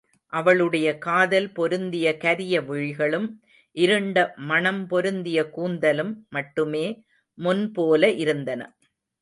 அவளுடைய காதல் பொருந்திய கரிய விழிகளும், இருண்ட மணம் பொருந்திய கூந்தலும் மட்டுமே முன்போல இருந்தன.